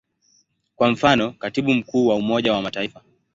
Kwa mfano, Katibu Mkuu wa Umoja wa Mataifa.